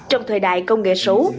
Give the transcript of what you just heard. trong thời đại công nghệ số